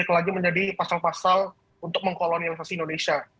dan tidak lagi menjadi pasal pasal untuk mengkolonialisasi indonesia